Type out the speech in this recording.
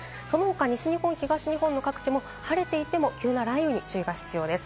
東日本、西日本の各地も晴れていても急な雷雨に注意が必要です。